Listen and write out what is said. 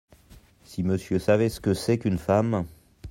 Si Monsieur savait ce que c’est qu’une femme !